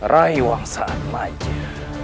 raiwang saat majer